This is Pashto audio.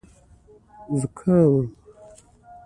دځنګل حاصلات د افغانستان د جغرافیایي موقیعت پایله ده.